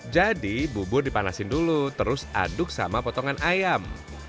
jadi bubur dipanasin dulu terus aduk sama potongan ayam